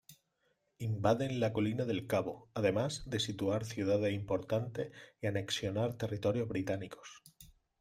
Invaden la colonia del Cabo, además de sitiar ciudades importantes y anexionar territorios británicos.